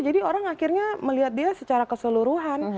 jadi orang akhirnya melihat dia secara keseluruhan